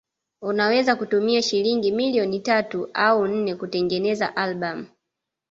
Unaweza kutumia shilingi milioni tatu au nne kutengeneza albamu